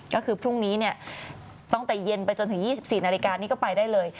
ก็คือพรุ่งนี้เนี่ยตั้งแต่เย็นไปจนถึงยี่สิบสี่นาฬิกานี่ก็ไปได้เลย